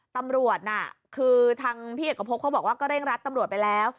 ตำรวจน่ะคือทางพี่เอกพบเขาบอกว่าก็เร่งรัดตำรวจไปแล้ว